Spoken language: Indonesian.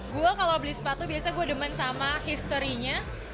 gue kalau beli sepatu biasanya gue demen sama historinya